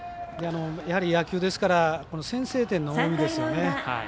野球ですから先制点の重みですよね。